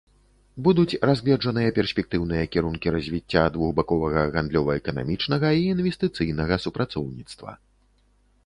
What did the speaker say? Будуць разгледжаныя перспектыўныя кірункі развіцця двухбаковага гандлёва-эканамічнага і інвестыцыйнага супрацоўніцтва.